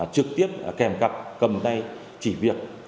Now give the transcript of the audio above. trực tiếp kèm cặp cầm tay chỉ việc